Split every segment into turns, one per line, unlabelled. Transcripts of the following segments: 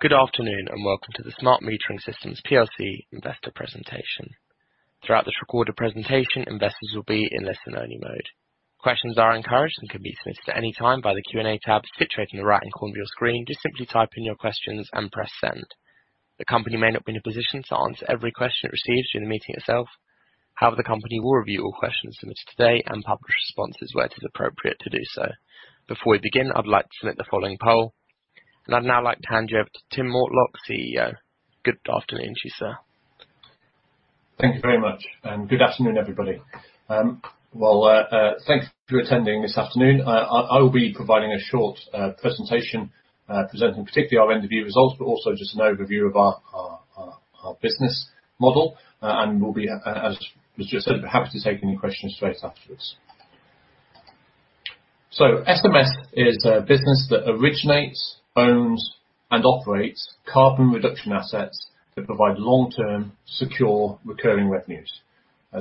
Good afternoon and welcome to the Smart Metering Systems plc investor presentation. Throughout this recorded presentation, investors will be in listen-only mode. Questions are encouraged and can be submitted at any time by the Q&A tab situated in the right-hand corner of your screen. Just simply type in your questions and press send. The company may not be in a position to answer every question it receives during the meeting itself. However, the company will review all questions submitted today and publish responses where it is appropriate to do so. Before we begin, I'd like to submit the following poll. I'd now like to hand you over to Tim Mortlock, CEO. Good afternoon to you, sir.
Thank you very much. Good afternoon, everybody. Well, thanks for attending this afternoon. I will be providing a short presentation, presenting particularly our end of year results, but also just an overview of our business model, and we'll be, as was just said, happy to take any questions straight afterwards. SMS is a business that originates, owns, and operates carbon reduction assets that provide long-term, secure, recurring revenues.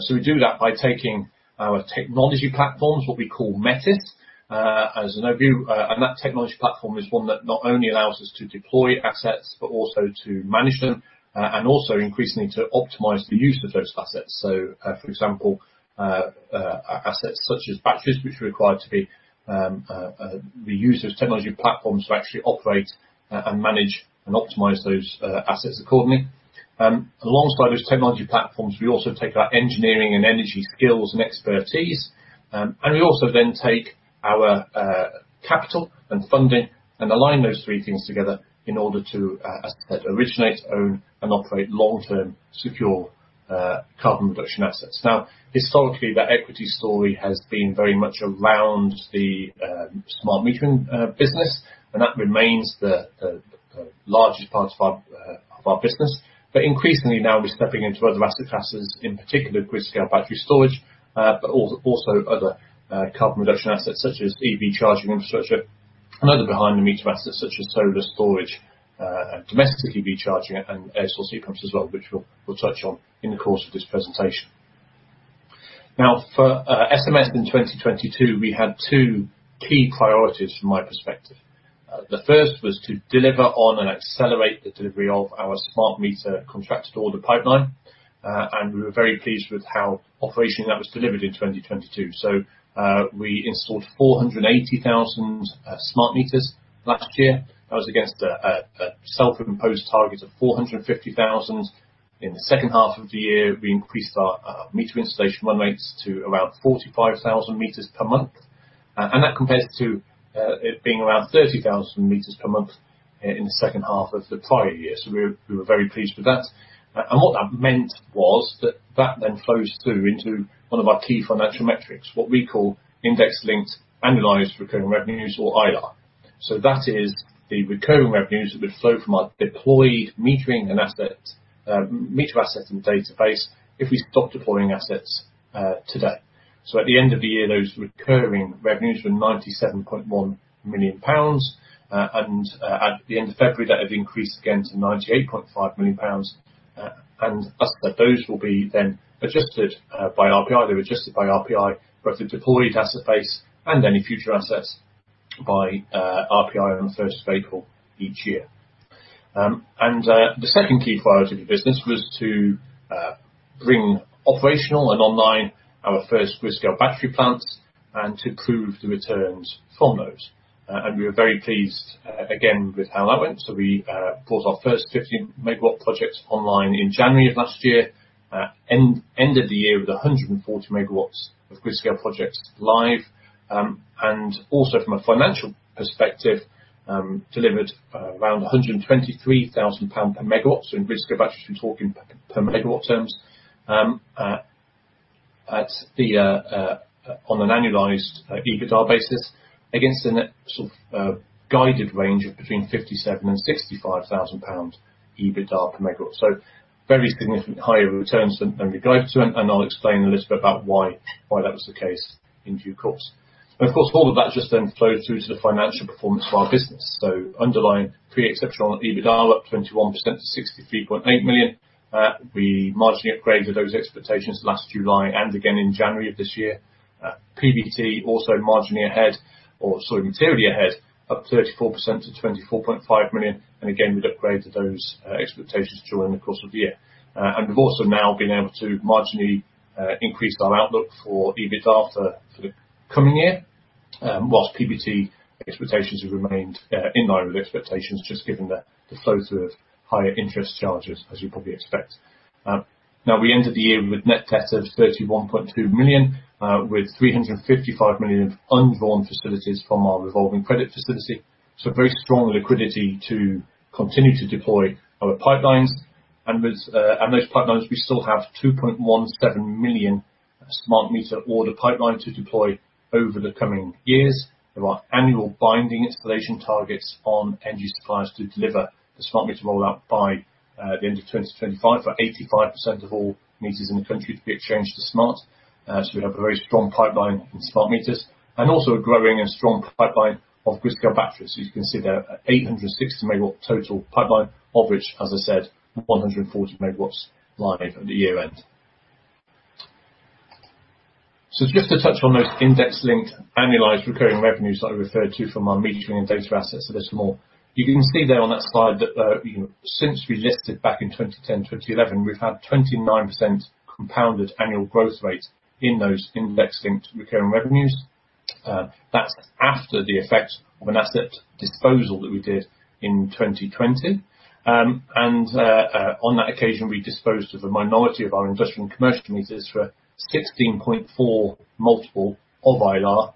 We do that by taking our technology platforms, what we call Metis, as an overview. That technology platform is one that not only allows us to deploy assets, but also to manage them, and also increasingly to optimize the use of those assets. For example, assets such as batteries, which require to be, we use those technology platforms to actually operate and manage and optimize those assets accordingly. Alongside those technology platforms, we also take our engineering and energy skills and expertise, and we also then take our capital and funding and align those three things together in order to, as I said, originate, own, and operate long-term, secure, carbon reduction assets. Historically, that equity story has been very much around the smart metering business, and that remains the largest part of our business. Increasingly now we're stepping into other asset classes, in particular grid-scale battery storage, but also other carbon reduction assets such as EV charging infrastructure and other behind-the-meter assets such as solar storage, domestic EV charging and air source heat pumps as well, which we'll touch on in the course of this presentation. SMS in 2022, we had two key priorities from my perspective. The first was to deliver on and accelerate the delivery of our smart meter contracted order pipeline. We were very pleased with how operationally that was delivered in 2022. We installed 480,000 smart meters last year. That was against a self-imposed target of 450,000. In the second half of the year, we increased our meter installation run rates to around 45,000 meters per month. That compares to it being around 30,000 meters per month in the second half of the prior year. We were very pleased with that. What that meant was that that then flows through into one of our key financial metrics, what we call index-linked annualised recurring revenues or AIR. That is the recurring revenues that would flow from our deployed metering and asset meter assets and database if we stopped deploying assets today. At the end of the year, those recurring revenues were GBP 97.1 million. At the end of February, that had increased again to GBP 98.5 million. As those will be then adjusted by RPI, they were adjusted by RPI, both the deployed asset base and any future assets by RPI on the first of April each year. The second key priority of the business was to bring operational and online our first grid-scale battery plants and to prove the returns from those. We were very pleased again with how that went. We brought our first 15 MW projects online in January of last year. Ended the year with 140 MW of grid-scale projects live. Also from a financial perspective, delivered around 123,000 pound per megawatt. In grid-scale batteries, we're talking per megawatt terms on an annualized EBITDA basis against a net, sort of, guided range of between 57,000-65,000 pounds EBITDA per megawatt. Very significant higher returns than we guided to, and I'll explain a little bit about why that was the case in due course. Of course, all of that just then flowed through to the financial performance of our business. Underlying pre-exceptional EBITDA up 21% to 63.8 million. We marginally upgraded those expectations last July and again in January of this year. PBT also marginally ahead or, sorry, materially ahead, up 34% to 24.5 million, and again, we'd upgraded those expectations during the course of the year. We've also now been able to marginally increase our outlook for EBITDA for the coming year. Whilst PBT expectations have remained in line with expectations, just given the flow through of higher interest charges, as you probably expect. Now we ended the year with net debt of 31.2 million with 355 million of undrawn facilities from our revolving credit facility. Very strong liquidity to continue to deploy our pipelines. With those pipelines, we still have 2.17 million smart meter order pipeline to deploy over the coming years. There are annual binding installation targets on energy suppliers to deliver the smart meter rollout by the end of 2025, for 85% of all meters in the country to be exchanged to smart. We have a very strong pipeline in smart meters and also a growing and strong pipeline of grid-scale batteries. You can see there 860 MW total pipeline, of which, as I said, 140 MW live at the year-end. Just to touch on those index-linked annualized recurring revenues that I referred to from our metering and data assets a little more. You can see there on that slide that, you know, since we listed back in 2010, 2011, we've had 29% compounded annual growth rate in those index-linked recurring revenues. That's after the effect of an asset disposal that we did in 2020. On that occasion, we disposed of a minority of our industrial and commercial meters for a 16.4x multiple of ILARR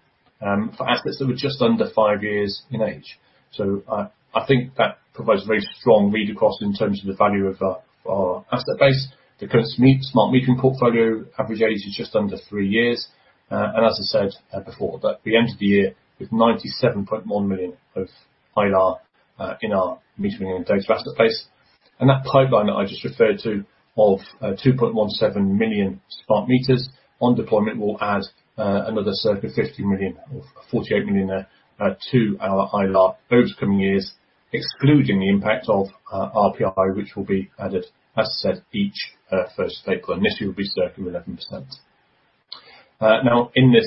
for assets that were just under five years in age. I think that provides a very strong read-across in terms of the value of our asset base. The consumer smart metering portfolio average age is just under three years. As I said before, we ended the year with 97.1 million of ILARR in our metering and data asset base. That pipeline that I just referred to of 2.170,000 smart meters on deployment will add another circa 50 million or 48 million to our ILARR over the coming years, excluding the impact of RPI, which will be added, as I said, each first April. Initially, it will be circa 11%. Now, in this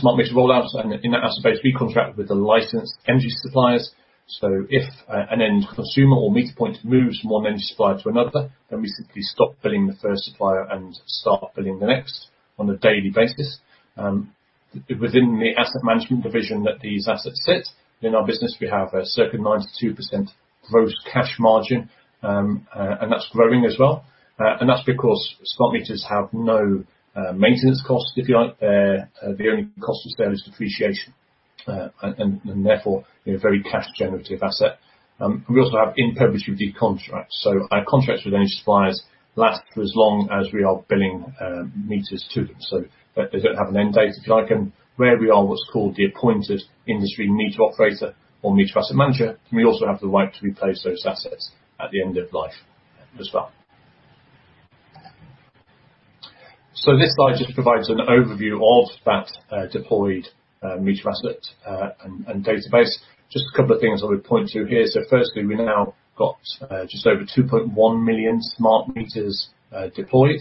smart meter rollout and in that asset base, we contract with the licensed energy suppliers. If an end consumer or meter point moves from one energy supplier to another, we simply stop billing the first supplier and start billing the next on a daily basis. Within the asset management division that these assets sit in our business, we have a circa 92% gross cash margin, and that's growing as well. That's because smart meters have no maintenance cost, if you like. The only cost is there is depreciation, and therefore a very cash generative asset. We also have in perpetuity contracts. Our contracts with energy suppliers last for as long as we are billing meters to them. They don't have an end date, if you like. Where we are what's called the appointed industry Meter Operator or Meter Asset Manager, we also have the right to replace those assets at the end of life as well. This slide just provides an overview of that, deployed, meter asset, and database. Just a couple of things I would point to here. Firstly, we've now got just over 2.100,000 smart meters deployed,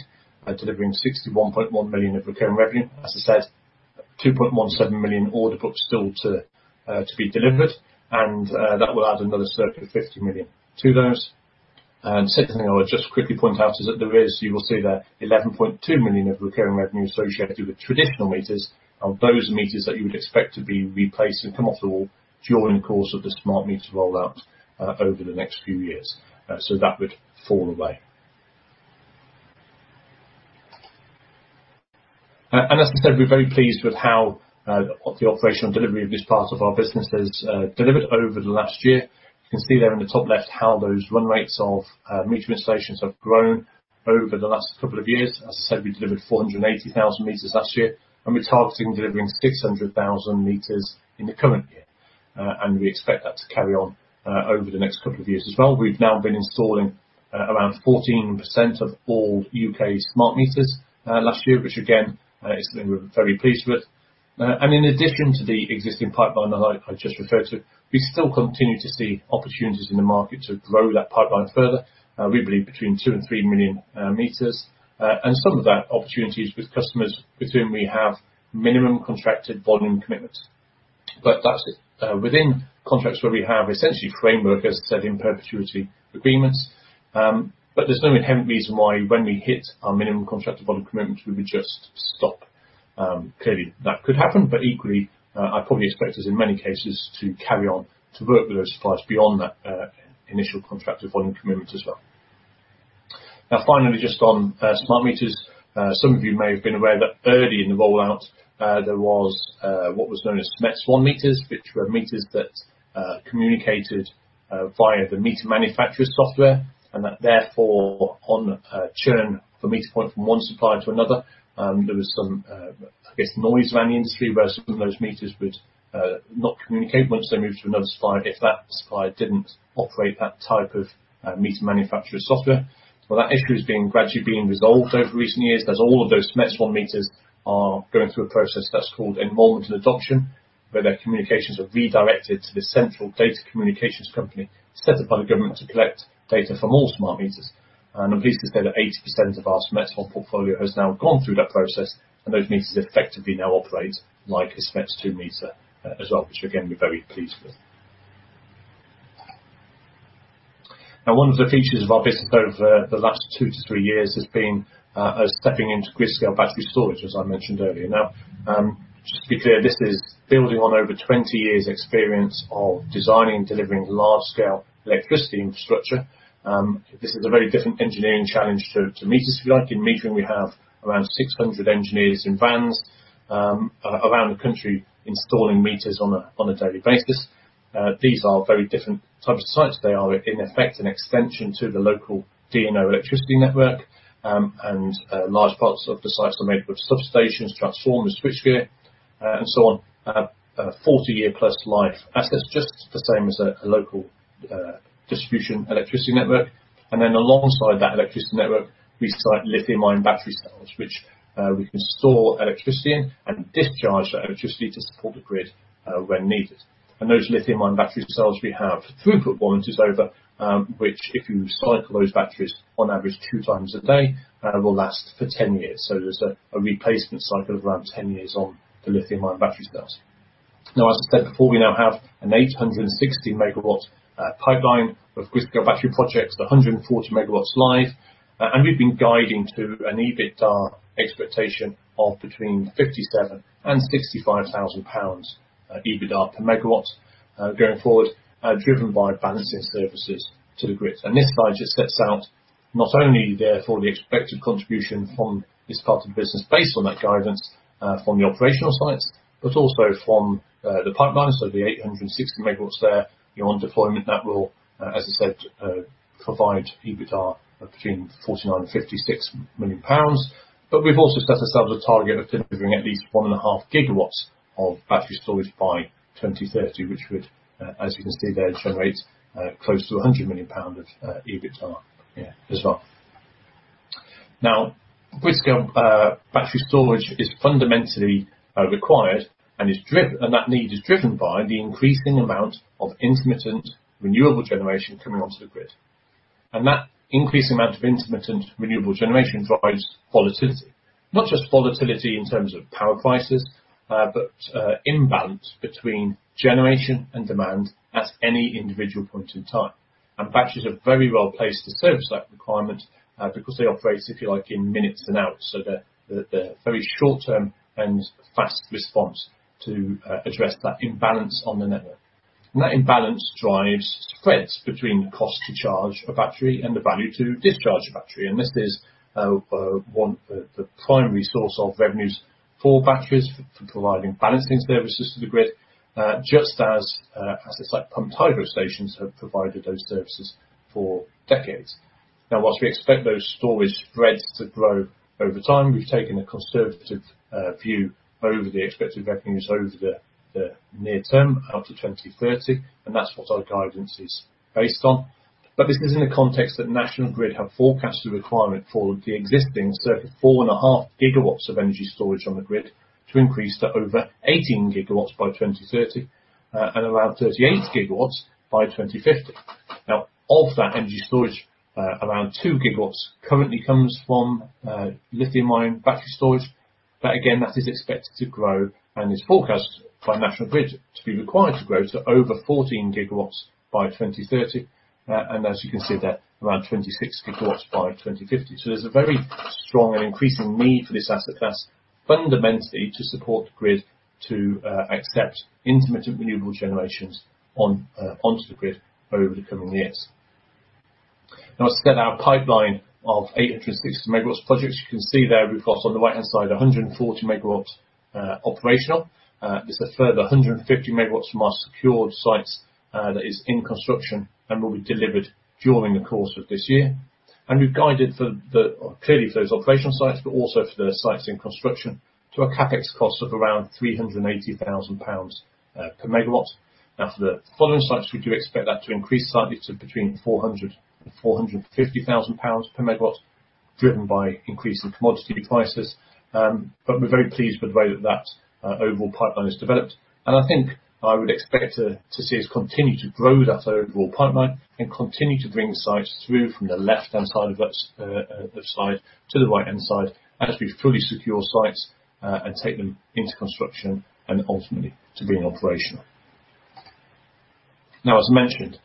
delivering 61.1 million of recurring revenue. As I said, 2.17 million order book still to be delivered. That will add another circa 50 million to those. Second thing I would just quickly point out is that there is, you will see there, 11.2 million of recurring revenue associated with traditional meters. Those are meters that you would expect to be replaced and come off the wall during the course of the smart meter rollout over the next few years. That would fall away. As I said, we're very pleased with how the operational delivery of this part of our business has delivered over the last year. You can see there in the top left how those run rates of meter installations have grown over the last couple of years. As I said, we delivered 480,000 meters last year, and we're targeting delivering 600,000 meters in the current year. We expect that to carry on over the next couple of years as well. We've now been installing around 14% of all U.K. smart meters last year, which again, is something we're very pleased with. In addition to the existing pipeline that I just referred to, we still continue to see opportunities in the market to grow that pipeline further. We believe between 2,000,000 to 3,000,000 meters. Some of that opportunity is with customers with whom we have minimum contracted volume commitments. That's within contracts where we have essentially framework, as I said, in perpetuity agreements. There's no inherent reason why when we hit our minimum contracted volume commitment, we would just stop. Clearly that could happen, equally, I'd probably expect us, in many cases, to carry on to work with those suppliers beyond that initial contracted volume commitment as well. Finally, just on smart meters, some of you may have been aware that early in the rollout, there was what was known as SMETS1 meters, which were meters that communicated via the meter manufacturer's software, and that therefore, on churn for meter point from one supplier to another, there was some, I guess, noise around the industry where some of those meters would not communicate much. They moved to another supplier if that supplier didn't operate that type of meter manufacturer's software. That issue is being gradually being resolved over recent years, as all of those SMETS1 meters are going through a process that's called enrolment and adoption, where their communications are redirected to the central Data Communications Company set up by the government to collect data from all smart meters. I'm pleased to say that 80% of our SMETS1 portfolio has now gone through that process, and those meters effectively now operate like a SMETS2 meter as well, which again, we're very pleased with. One of the features of our business over the last two to three years has been us stepping into grid-scale battery storage, as I mentioned earlier. Just to be clear, this is building on over 20 years experience of designing and delivering large-scale electricity infrastructure. This is a very different engineering challenge to meters, if you like. In metering, we have around 600 engineers in vans around the country installing meters on a daily basis. These are very different types of sites. They are, in effect, an extension to the local DNO electricity network. Large parts of the sites are made up of substations, transformers, switchgear, and so on. A 40-year plus life assets, just the same as a local distribution electricity network. Alongside that electricity network, we site lithium-ion battery cells, which we can store electricity in and discharge that electricity to support the grid when needed. Those lithium-ion battery cells, we have throughput warranties over, which if you cycle those batteries on average 2x a day, will last for 10 years. There's a replacement cycle of around 10 years on the lithium-ion battery cells. As I said before, we now have an 860 megawatt pipeline of battery projects, 140 MW live. We've been guiding to an EBITDA expectation of between 57,000 and 65,000 pounds EBITDA per megawatt going forward, driven by balancing services to the grid. This slide just sets out not only therefore the expected contribution from this part of the business based on that guidance from the operational sites, but also from the pipeline, so the 860 MW there on deployment that will, as I said, provide EBITDA between 49 million and 56 million pounds. We've also set ourselves a target of delivering at least 1.5 GW of battery storage by 2030, which would, as you can see there, generate close to 100 million pounds of EBITDA, as well. With the battery storage is fundamentally required, and that need is driven by the increasing amount of intermittent renewable generation coming onto the grid. That increased amount of intermittent renewable generation drives volatility. Not just volatility in terms of power prices, but imbalance between generation and demand at any individual point in time. Batteries are very well placed to service that requirement because they operate, if you like, in minutes and hours, so they're very short term and fast response to address that imbalance on the network. That imbalance drives spreads between the cost to charge a battery and the value to discharge a battery. This is one of the primary source of revenues for batteries for providing balancing services to the grid, just as assets like pumped hydro stations have provided those services for decades. Whilst we expect those storage spreads to grow over time, we've taken a conservative view over the expected revenues over the near term out to 2030, and that's what our guidance is based on. This is in the context that National Grid have forecasted requirement for the existing 4.5 GW of energy storage on the grid to increase to over 18 GW by 2030, and around 38 GW by 2050. Of that energy storage, around 2 GW currently comes from lithium-ion battery storage. Again, that is expected to grow and is forecast by National Grid to be required to grow to over 14 GW by 2030. As you can see there, around 26 GW by 2050. There's a very strong and increasing need for this asset class fundamentally to support the grid to accept intermittent renewable generations onto the grid over the coming years. I set our pipeline of 860 MW projects. You can see there we've got on the right-hand side, 140 MW operational. There's a further 150 MW from our secured sites that is in construction and will be delivered during the course of this year. We've guided clearly for those operational sites, but also for the sites in construction to a CapEx cost of around 380,000 pounds per megawatt. For the following sites, we do expect that to increase slightly to between 400,000-450,000 pounds per megawatt, driven by increasing commodity prices. We're very pleased with the way that that overall pipeline has developed. I think I would expect to see us continue to grow that overall pipeline and continue to bring sites through from the left-hand side of that of slide to the right-hand side, as we fully secure sites and take them into construction and ultimately to being operational. As mentioned,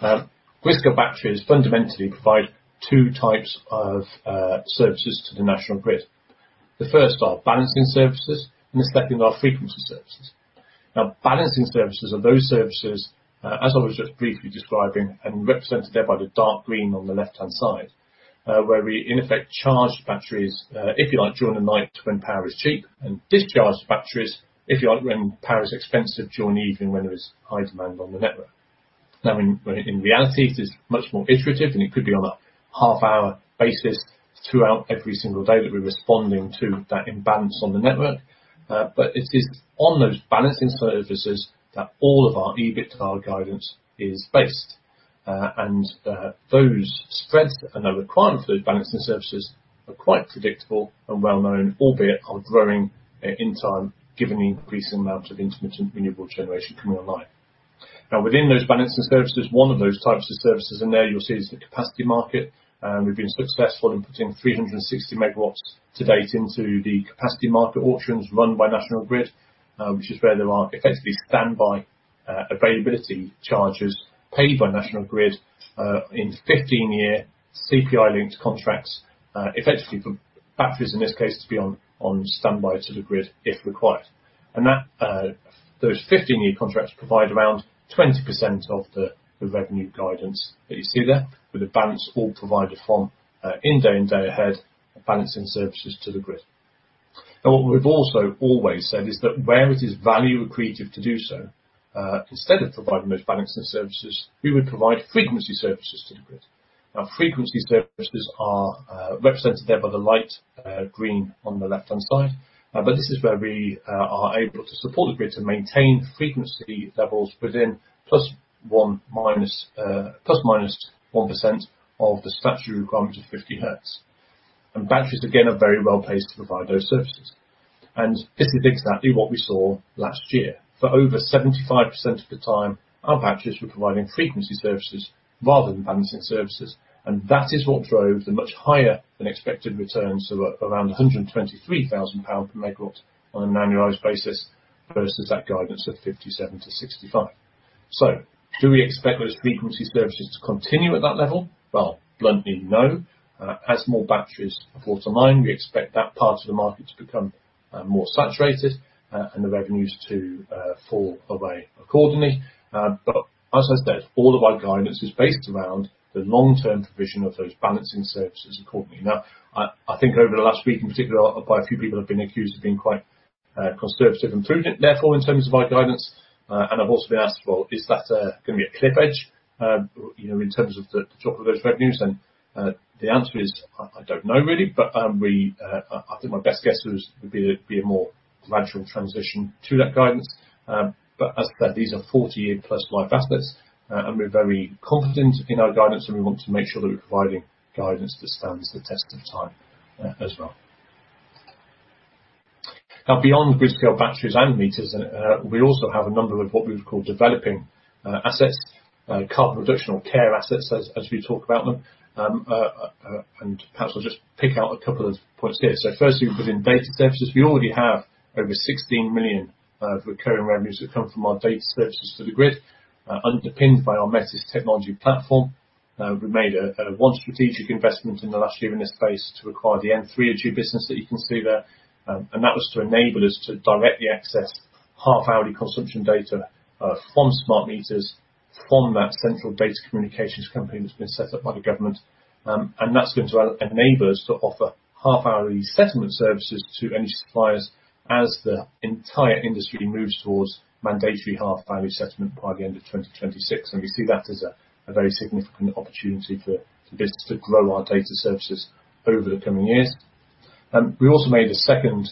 batteries fundamentally provide two types of services to the National Grid. The first are balancing services, and the second are frequency services. Now, balancing services are those services, as I was just briefly describing and represented there by the dark green on the left-hand side, where we in effect charge batteries, if you like, during the night when power is cheap and discharge batteries, if you like, when power is expensive during the evening when there is high demand on the network. Now, in reality, it is much more iterative, and it could be on a half-hour basis throughout every single day that we're responding to that imbalance on the network. It is on those balancing services that all of our EBITDA guidance is based. Those spreads and the requirement for those balancing services are quite predictable and well-known, albeit are growing in time given the increasing amount of intermittent renewable generation coming online. Within those balancing services, one of those types of services in there you'll see is the capacity market, and we've been successful in putting 360 MW to date into the capacity market auctions run by National Grid, which is where there are effectively standby availability charges paid by National Grid in 15-year CPI-linked contracts, effectively for batteries in this case to be on standby to the grid if required. That those 15-year contracts provide around 20% of the revenue guidance that you see there, with the balance all provided from in day and day ahead balancing services to the grid. What we've also always said is that where it is value accretive to do so, instead of providing those balancing services, we would provide frequency services to the grid. Frequency services are represented there by the light green on the left-hand side. This is where we are able to support the grid to maintain frequency levels within ±1% of the statutory requirement of 50 hertz. Batteries, again, are very well-placed to provide those services. This is exactly what we saw last year. For over 75% of the time, our batteries were providing frequency services rather than balancing services. That is what drove the much higher than expected returns of around 123,000 pounds per megawatts on an annualized basis versus that guidance of 57,000-65,000. Do we expect those frequency services to continue at that level? Bluntly, no. As more batteries fall to line, we expect that part of the market to become more saturated and the revenues to fall away accordingly. As I said, all of our guidance is based around the long-term provision of those balancing services accordingly. I think over the last week in particular, by a few people have been accused of being quite conservative and prudent, therefore in terms of our guidance, and I've also been asked, "Well, is that gonna be a cliff edge? You know, in terms of the drop of those revenues and the answer is I don't know really, but we, I think my best guess would be a more gradual transition to that guidance. As that these are 40-year-plus life assets, and we're very confident in our guidance, and we want to make sure that we're providing guidance that stands the test of time, as well. Beyond grid-scale batteries and meters, we also have a number of what we would call developing assets, carbon reduction or CaRe assets as we talk about them. Perhaps I'll just pick out a couple of points here. Firstly, within data services, we already have over 16 million recurring revenues that come from our data services for the grid, underpinned by our Metis technology platform. We made a one strategic investment in the last year in this space to acquire the n3rgy business that you can see there. That was to enable us to directly access half-hourly consumption data from smart meters from that central Data Communications Company that's been set up by the government. That's going to enable us to offer half-hourly settlement services to energy suppliers as the entire industry moves towards mandatory half-hourly settlement by the end of 2026. We see that as a very significant opportunity for the business to grow our data services over the coming years. We also made a second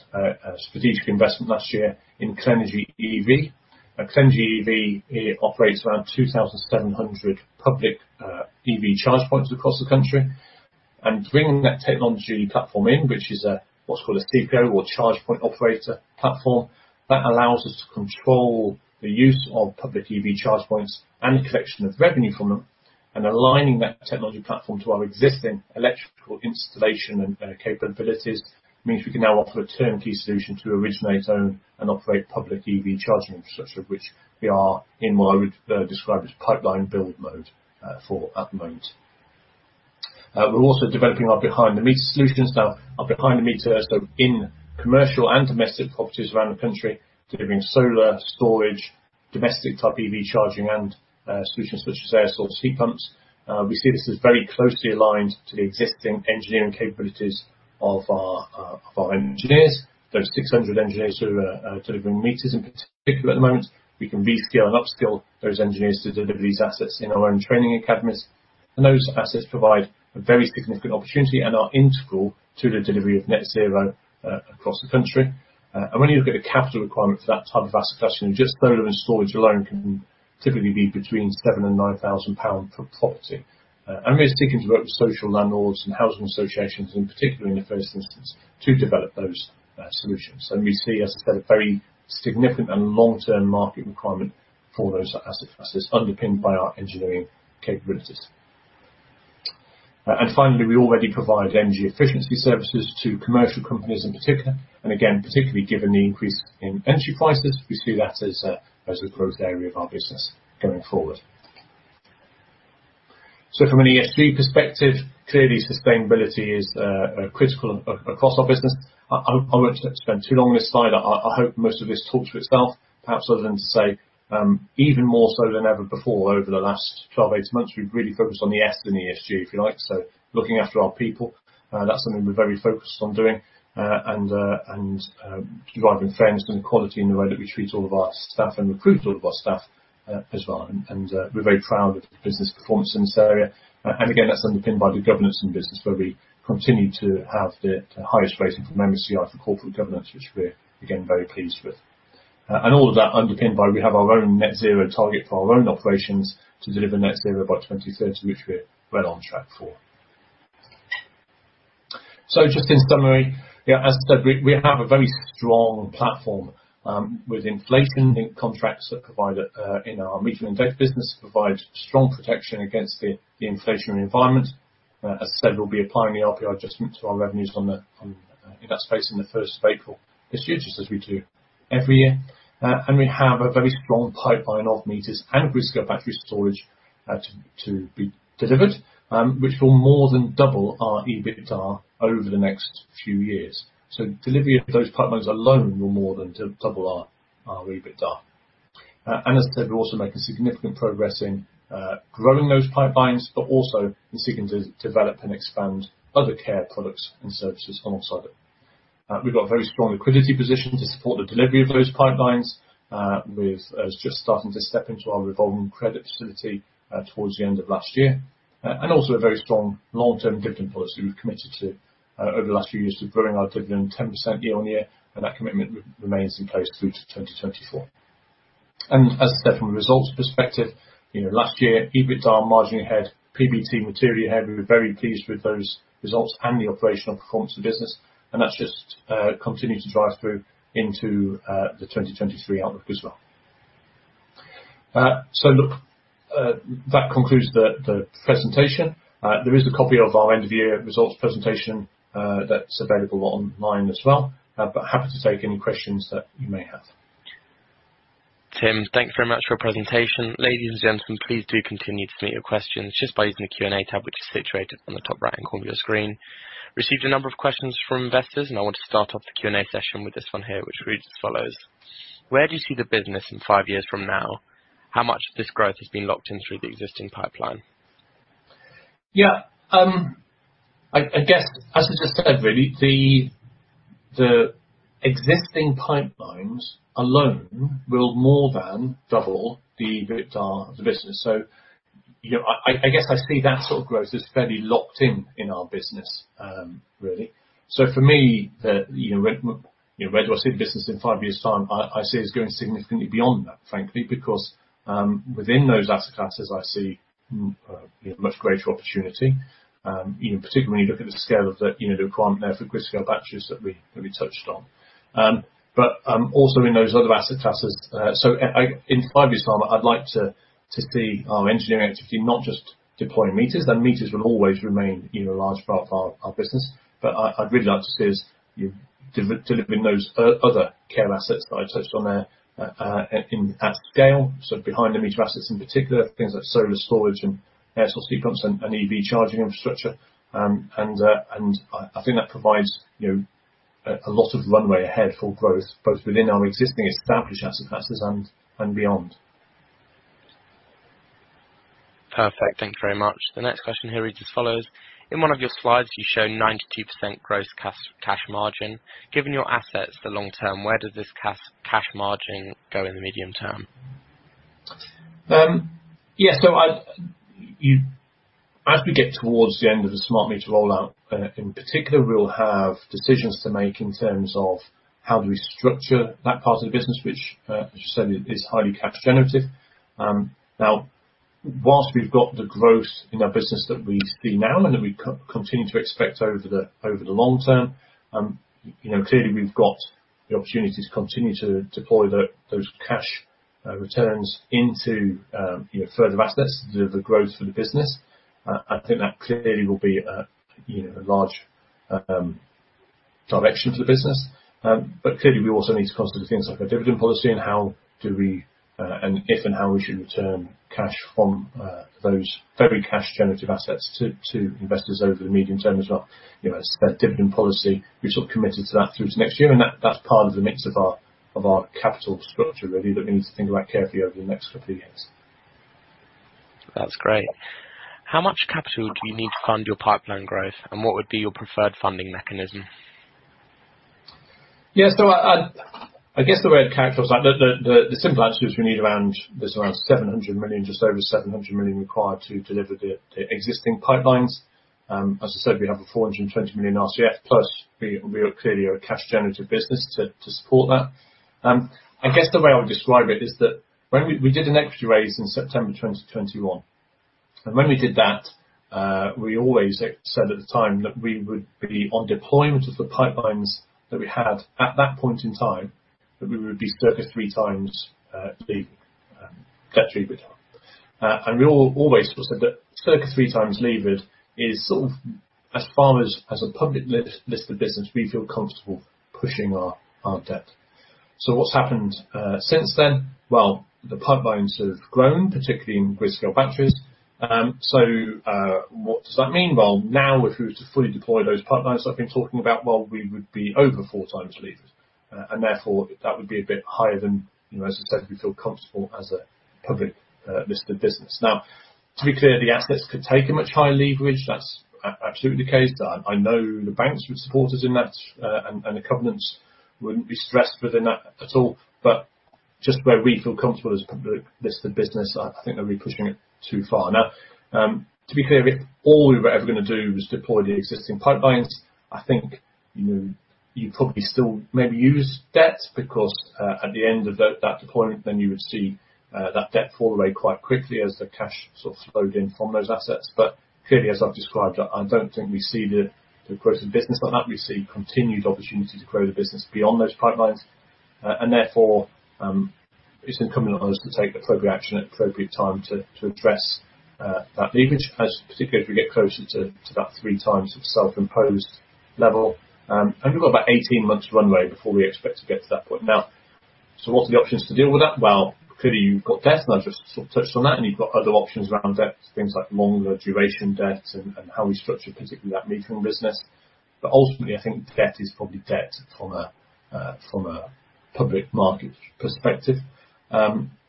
strategic investment last year in Clenergy EV. Clenergy EV, it operates around 2,700 public EV charge points across the country. Bringing that technology platform in, which is a what's called a CPO or charge point operator platform, that allows us to control the use of public EV charge points and collection of revenue from them. Aligning that technology platform to our existing electrical installation and capabilities means we can now offer a turnkey solution to originate, own and operate public EV charging infrastructure, which we are in what I would describe as pipeline build mode for at the moment. We're also developing our behind the meter solutions. Now, our behind the meter, so in commercial and domestic properties around the country, delivering solar storage, domestic type EV charging and solutions such as air source heat pumps. We see this as very closely aligned to the existing engineering capabilities of our of our engineers. Those 600 engineers who are delivering meters in particular at the moment, we can reskill and upskill those engineers to deliver these assets in our own training academies. Those assets provide a very significant opportunity and are integral to the delivery of net zero across the country. When you look at the capital requirement for that type of asset class, you know, just solar and storage alone can typically be between 7,000-9,000 pounds per property. We're sticking to both social landlords and housing associations in particular in the first instance to develop those solutions. We see, as I said, a very significant and long-term market requirement for those assets, underpinned by our engineering capabilities. Finally, we already provide energy efficiency services to commercial companies in particular, and again, particularly given the increase in energy prices, we see that as a growth area of our business going forward. From an ESG perspective, clearly sustainability is critical across our business. I won't spend too long on this slide. I hope most of this talks for itself, perhaps other than to say, even more so than ever before over the last 12, 18 months, we've really focused on the S in ESG, if you like. Looking after our people, that's something we're very focused on doing, and driving fairness and equality in the way that we treat all of our staff and recruit all of our staff as well. We're very proud of the business performance in this area. Again, that's underpinned by the governance in business, where we continue to have the highest rating from MSCI for corporate governance, which we're again, very pleased with. All of that underpinned by we have our own net zero target for our own operations to deliver net zero by 2030, which we're well on track for. Just in summary, as I said, we have a very strong platform with inflation in contracts that provide in our meter and data business, provide strong protection against the inflationary environment. As I said, we'll be applying the RPI adjustment to our revenues in that space on April 1 this year, just as we do every year. We have a very strong pipeline of meters and grid-scale battery storage to be delivered, which will more than double our EBITDA over the next few years. Delivery of those pipelines alone will more than double our EBITDA. As I said, we're also making significant progress in growing those pipelines, but also in seeking to develop and expand other CaRe products and services alongside it. We've got a very strong liquidity position to support the delivery of those pipelines, with us just starting to step into our revolving credit facility towards the end of last year. Also a very strong long-term dividend policy we've committed to over the last few years of growing our dividend 10% year on year, and that commitment remains in place through to 2024. As I said, from a results perspective, you know, last year, EBITDA margin ahead, PBT materially ahead. We were very pleased with those results and the operational performance of the business, and that's just continued to drive through into the 2023 outlook as well. That concludes the presentation. There is a copy of our end of year results presentation that's available online as well. Happy to take any questions that you may have.
Tim, thank you very much for your presentation. Ladies and gentlemen, please do continue to submit your questions just by using the Q&A tab which is situated on the top right-hand corner of your screen. Received a number of questions from investors. I want to start off the Q&A session with this one here, which reads as follows: Where do you see the business in five years from now? How much of this growth has been locked in through the existing pipeline?
Yeah. I guess, as I just said, really, the existing pipelines alone will more than double the EBITDA of the business. You know, I guess I see that sort of growth as fairly locked in our business, really. For me, the, you know, where do I see the business in five years' time, I see us going significantly beyond that, frankly, because, within those asset classes, I see a much greater opportunity, you know, particularly looking at the scale of the, you know, the requirement there for grid-scale batteries that we touched on. Also in those other asset classes. In five years' time, I'd like to see our engineering activity not just deploying meters. Meters will always remain, you know, a large part of our business. I'd really like to see us, you know, delivering those other CaRe assets that I touched on there at scale. Behind the meter assets in particular, things like solar storage and air source heat pumps and EV charging infrastructure. And I think that provides, you know, a lot of runway ahead for growth, both within our existing established asset classes and beyond.
Perfect. Thank you very much. The next question here reads as follows: In one of your slides, you show 92% gross cash margin. Given your assets for long term, where does this cash margin go in the medium term?
Yeah. As we get towards the end of the smart meter rollout, in particular, we will have decisions to make in terms of how do we structure that part of the business, which, as you said, is highly cash generative. Now whilst we've got the growth in our business that we see now and that we continue to expect over the long term, you know, clearly we've got the opportunity to continue to deploy those cash returns into, you know, further assets, deliver growth for the business. I think that clearly will be a, you know, a large direction for the business. Clearly we also need to consider things like our dividend policy and how do we, and if and how we should return cash from those very cash generative assets to investors over the medium term as well. You know, as a dividend policy, we're sort of committed to that through to next year, and that's part of the mix of our capital structure really, that we need to think about carefully over the next couple of years.
That's great. How much capital do you need to fund your pipeline growth, and what would be your preferred funding mechanism?
Yeah, I guess the way I'd characterize that, the simple answer is we need around, there's around 700 million, just over 700 million required to deliver the existing pipelines. As I said, we have a 420 million RCF, plus we are clearly a cash generative business to support that. I guess the way I would describe it is that when we did an equity raise in September 2021. When we did that, we always said at the time that we would be on deployment of the pipelines that we had at that point in time, that we would be circa 3x EBITDA. We always sort of said that circa 3x levered is sort of as far as a public listed business we feel comfortable pushing our debt. What's happened since then? Well, the pipelines have grown, particularly in grid-scale batteries. What does that mean? Well, now if we were to fully deploy those pipelines I've been talking about, well, we would be over 4x levered. Therefore that would be a bit higher than, you know, as I said, we feel comfortable as a public listed business. Now, to be clear, the assets could take a much higher leverage. That's absolutely the case. I know the banks would support us in that, and the covenants wouldn't be stressed within that at all. Just where we feel comfortable as a public listed business, I think that'd be pushing it too far. Now, to be clear, if all we were ever gonna do was deploy the existing pipelines, I think, you know, you'd probably still maybe use debt because at the end of that deployment, then you would see that debt fall away quite quickly as the cash sort of flowed in from those assets. Clearly, as I've described, I don't think we see the growth of the business like that. We see continued opportunity to grow the business beyond those pipelines. Therefore, it's incumbent on us to take appropriate action at appropriate time to address that leverage as, particularly as we get closer to that 3x of self-imposed level. We've got about 18 months runway before we expect to get to that point. What are the options to deal with that? Clearly you've got debt, I've just sort of touched on that, you've got other options around debt, things like longer duration debt and how we structure particularly that metering business. Ultimately, I think debt is probably debt from a from a public market perspective.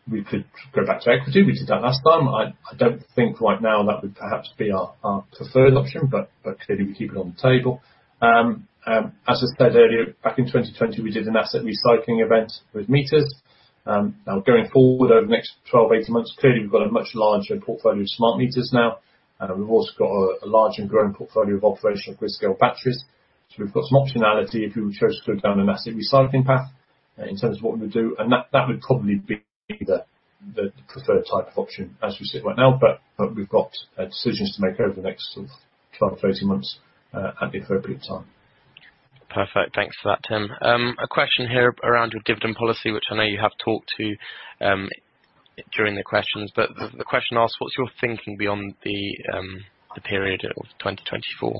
We could go back to equity. We did that last time. I don't think right now that would perhaps be our preferred option, but clearly we keep it on the table. As I said earlier, back in 2020 we did an asset recycling event with meters. Going forward over the next 12, 18 months, clearly we've got a much larger portfolio of smart meters now. We've also got a large and growing portfolio of operational grid-scale batteries. We've got some optionality if we would chose to go down an asset recycling path in terms of what we would do, and that would probably be the preferred type of option as we sit right now. We've got decisions to make over the next sort of 12, 18 months at the appropriate time.
Perfect. Thanks for that, Tim. A question here around your dividend policy, which I know you have talked to, during the questions, but the question asks, what's your thinking beyond the period of 2024?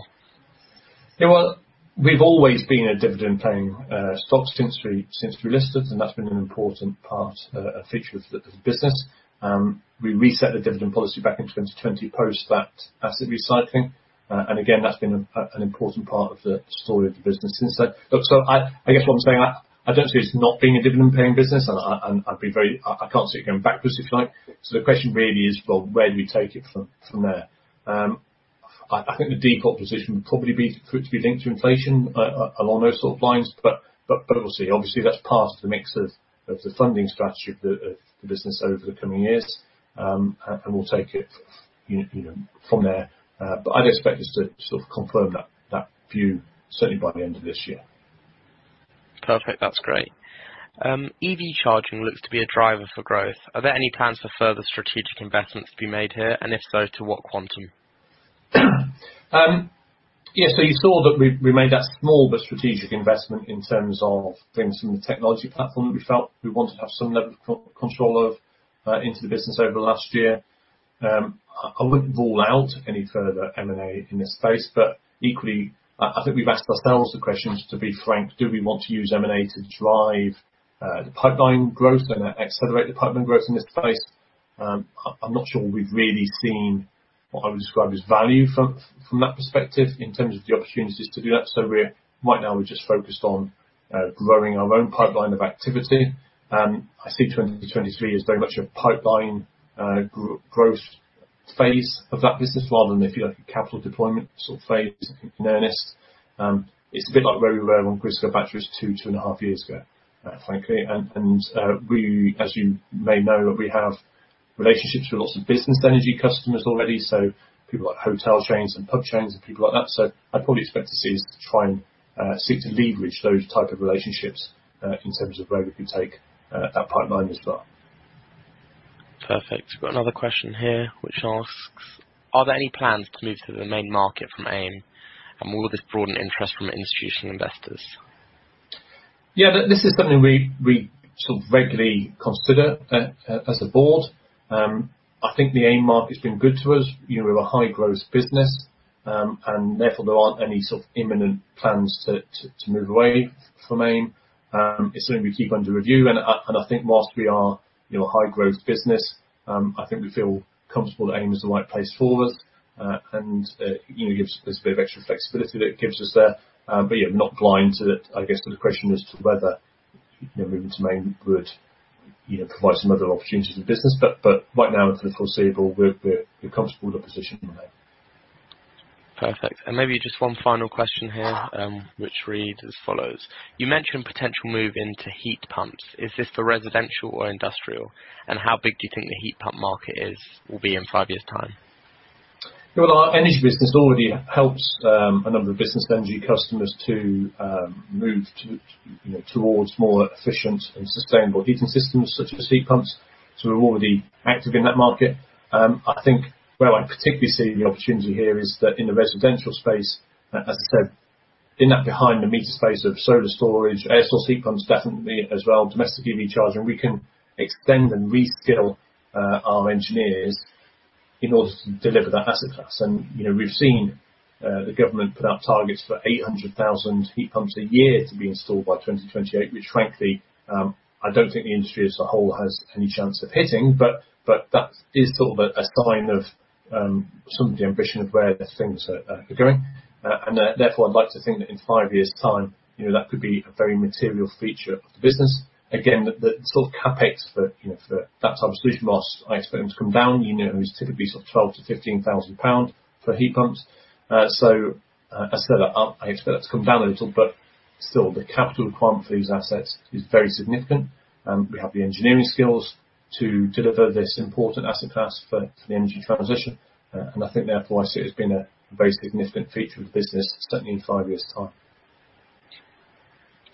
Well, we've always been a dividend paying stock since we listed, and that's been an important part feature of the business. We reset the dividend policy back in 2020 post that asset recycling. Again, that's been an important part of the story of the business since then. I guess what I'm saying, I don't see us not being a dividend paying business, and I can't see it going backwards, if you like. The question really is, well, where do we take it from there? I think the default position would probably be for it to be linked to inflation along those sort of lines. Obviously that's part of the mix of the funding strategy of the business over the coming years. We'll take it you know from there. I'd expect us to sort of confirm that view certainly by the end of this year.
Perfect. That's great. EV charging looks to be a driver for growth. Are there any plans for further strategic investments to be made here? If so, to what quantum?
Yeah. You saw that we made that small but strategic investment in terms of bringing some of the technology platform that we felt we wanted to have some level of control of into the business over the last year. I wouldn't rule out any further M&A in this space, equally, I think we've asked ourselves the question, just to be frank, do we want to use M&A to drive the pipeline growth, gonna accelerate the pipeline growth in this space? I'm not sure we've really seen what I would describe as value from that perspective in terms of the opportunities to do that. Right now we're just focused on growing our own pipeline of activity. I see 2023 as very much a pipeline, growth phase of that business rather than if you like a capital deployment sort of phase in earnest. It's a bit like where we were when Chris got batteries 2.5 years ago, frankly. we, as you may know, we have relationships with lots of business energy customers already, so people like hotel chains and pub chains and people like that. I'd probably expect to see us to try and seek to leverage those type of relationships, in terms of where we can take that pipeline as well.
Perfect. Got another question here which asks, "Are there any plans to move to the main market from AIM, and will this broaden interest from institutional investors?
Yeah, this is something we sort of regularly consider as a board. I think the AIM market's been good to us. You know, we're a high-growth business. Therefore, there aren't any sort of imminent plans to move away from AIM. It's something we keep under review. I think whilst we are, you know, a high-growth business, I think we feel comfortable that AIM is the right place for us. You know, gives us a bit of extra flexibility that it gives us there. Yeah, not blind to it. I guess the question is to whether, you know, moving to main would, you know, provide some other opportunities for the business. Right now into the foreseeable, we're comfortable with our position on that.
Perfect. Maybe just one final question here, which reads as follows: You mentioned potential move into heat pumps. Is this for residential or industrial? How big do you think the heat pump market will be in five years' time?
Well, our energy business already helps a number of business energy customers to move towards more efficient and sustainable heating systems such as heat pumps. We're already active in that market. I think where I particularly see the opportunity here is that in the residential space, as I said, in that behind the meter space of solar storage, air source heat pumps definitely as well, domestic EV charging, we can extend and reskill our engineers in order to deliver that asset class. You know, we've seen the government put out targets for 800,000 heat pumps a year to be installed by 2028, which frankly, I don't think the industry as a whole has any chance of hitting. That is sort of a sign of some of the ambition of where the things are going. Therefore, I'd like to think that in five years' time, you know, that could be a very material feature of the business. Again, the sort of CapEx for, you know, for that type of solution, whilst I expect them to come down, the unit is typically sort of 12,000-15,000 pound for heat pumps. So, as I said, I expect that to come down a little, but still the capital requirement for these assets is very significant. We have the engineering skills to deliver this important asset class for the energy transition. And I think therefore I see it as being a very significant feature of the business certainly in five years' time.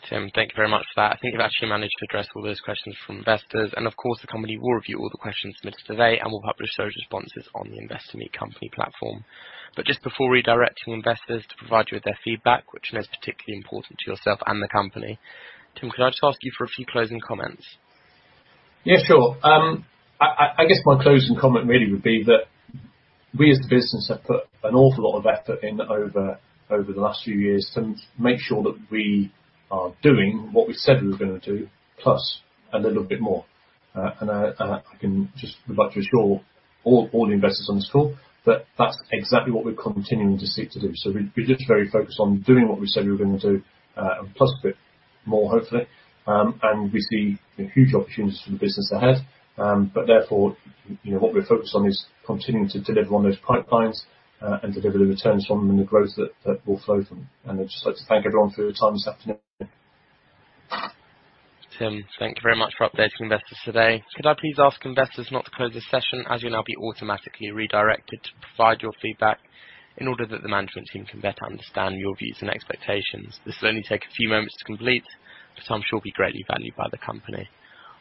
Tim, thank you very much for that. I think you've actually managed to address all those questions from investors. Of course, the company will review all the questions submitted today and will publish those responses on the Investor Meet Company platform. Just before redirecting investors to provide you with their feedback, which I know is particularly important to yourself and the company, Tim, can I just ask you for a few closing comments?
Sure. I guess my closing comment really would be that we as the business have put an awful lot of effort in over the last few years to make sure that we are doing what we said we were gonna do, plus a little bit more. I can just would like to assure all the investors on this call that that's exactly what we're continuing to seek to do. We're literally focused on doing what we said we were gonna do, and plus a bit more, hopefully. We see the huge opportunities for the business ahead. Therefore, you know, what we're focused on is continuing to deliver on those pipelines, and deliver the returns from them and the growth that will flow from. I'd just like to thank everyone for your time this afternoon.
Tim, thank you very much for updating investors today. Could I please ask investors not to close this session, as you'll now be automatically redirected to provide your feedback in order that the management team can better understand your views and expectations. This will only take a few moments to complete, but I'm sure will be greatly valued by the company.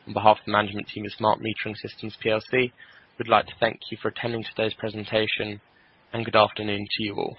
On behalf of the management team of Smart Metering Systems plc, we'd like to thank you for attending today's presentation, and good afternoon to you all.